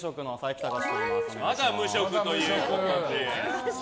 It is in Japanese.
まだ無職ということで。